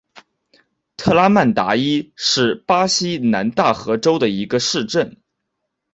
特拉曼达伊是巴西南大河州的一个市镇。